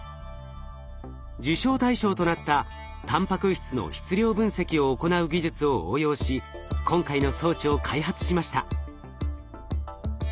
受賞対象となったたんぱく質の質量分析を行う技術を応用し今回の装置を開発しました。